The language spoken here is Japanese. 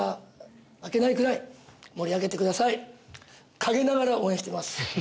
陰ながら応援しています。